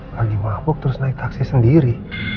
lagi mabuk terus naik taksi sendiri